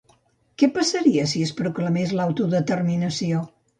Què passaria si es proclamés l'autodeterminació?